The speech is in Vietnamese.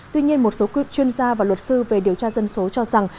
tuy nhiên một số chuyên gia và luật sư về điều tra dân số cho rằng